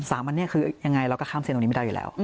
สามอันนี้คือยังไงเราก็ข้ามเส้นตรงนี้ไม่ได้อยู่แล้ว